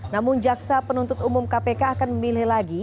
namun jaksa penuntut umum kpk akan memilih lagi